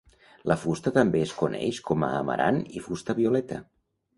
La fusta també es coneix com a amarant i fusta violeta.